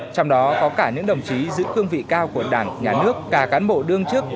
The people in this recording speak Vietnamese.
trong đó có cả những đồng chí giữ cương vị cao của đảng nhà nước cả cán bộ đương chức